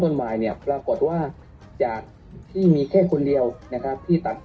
บ่ายเนี่ยปรากฏว่าจากที่มีแค่คนเดียวนะครับที่ตัด